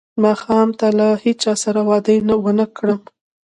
ماښام ته له هیچا سره وعده ونه کړم.